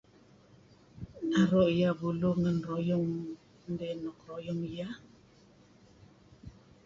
Naru' iyeh buluh ngen ruyung dih ruyung iyeh.